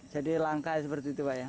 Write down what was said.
jadi langka seperti itu pak ya